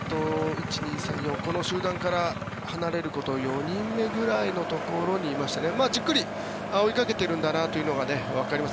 この集団から離れるところ４人目ぐらいのところにいてじっくり追いかけてるんだなというのがわかります。